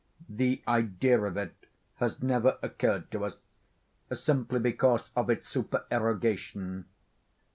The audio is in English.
The idea of it has never occurred to us, simply because of its supererogation.